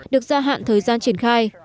được gia hạn thời gian triển khai